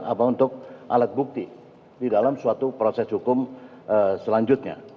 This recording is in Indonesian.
apa untuk alat bukti di dalam suatu proses hukum selanjutnya